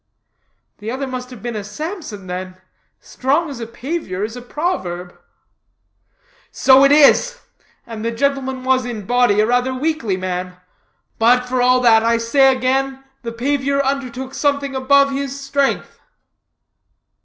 "The other must have been a Samson then. 'Strong as a pavior,' is a proverb." "So it is, and the gentleman was in body a rather weakly man, but, for all that, I say again, the pavior undertook something above his strength."